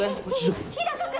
日高君！